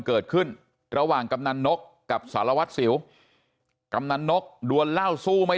เกิดขึ้นระหว่างกำนันนกกับสารวัตรสิวกำนันนกดวนเหล้าสู้ไม่